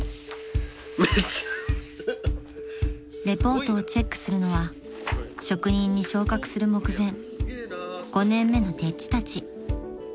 ［レポートをチェックするのは職人に昇格する目前５年目の丁稚たち］